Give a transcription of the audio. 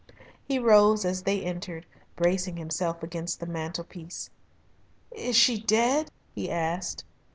He rose as they entered, bracing himself against the mantelpiece. "Is she dead?" he asked.